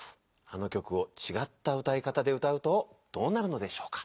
あの曲をちがった歌い方で歌うとどうなるのでしょうか？